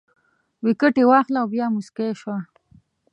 ویکټې واخله او بیا موسکی شه